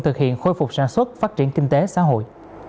thực hiện khôi phục sản xuất phát triển kinh tế xã hội